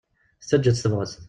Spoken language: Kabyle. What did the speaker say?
Tettaǧǧa-tt tebɣest.